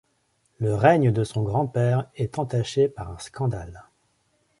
Le règne de son grand-père est entaché par un scandale.